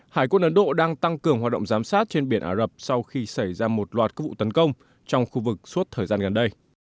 hải quân ấn độ đang tăng cường hoạt động giám sát trên biển ả rập sau khi xảy ra một loạt các vụ tấn công trong khu vực suốt thời gian gần đây